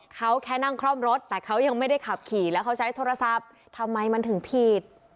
เขาแค่นั่งคล่อมรถแต่เขายังไม่ได้ขับขี่แล้วเขาใช้โทรศัพท์ทำไมมันถึงผิด